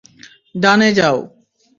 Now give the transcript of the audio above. ডানে যাও।